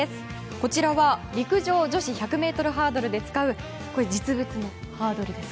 こちらは陸上女子１００ｍハードルで使う実物のハードルです。